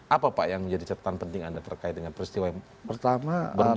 apa pak yang menjadi catatan penting anda terkait dengan peristiwa yang pertama berlangsung